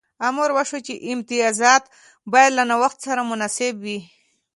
امر وشو چې امتیازات باید له نوښت سره متناسب وي.